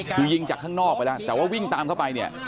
คือยิงจากข้างนอกไปแล้วแต่ว่าวิ่งตามเข้าไปเนี่ย